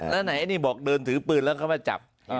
แล้วไหนนี่บอกเดินถือปืนแล้วเขามาจับ